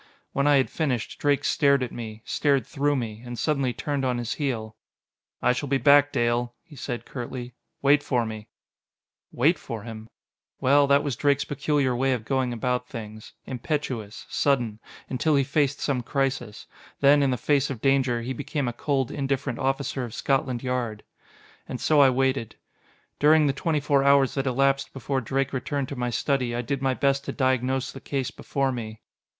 When I had finished. Drake stared at me stared through me and suddenly turned on his heel. "I shall be back, Dale," he said curtly. "Wait for me!" Wait for him! Well, that was Drake's peculiar way of going about things. Impetuous, sudden until he faced some crisis. Then, in the face of danger, he became a cold, indifferent officer of Scotland Yard. And so I waited. During the twenty four hours that elapsed before Drake returned to my study, I did my best to diagnose the case before me.